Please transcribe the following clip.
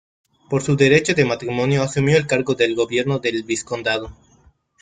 Por su derecho de matrimonio asumió el cargo del gobierno del vizcondado.